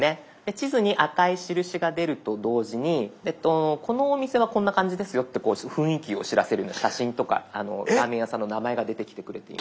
地図に赤い印が出ると同時にこのお店はこんな感じですよって雰囲気を知らせるような写真とかラーメン屋さんの名前が出てきてくれている。